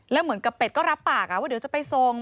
แล้วเหมือนกับเป็ดก็รับปากว่าเดี๋ยวจะไปส่ง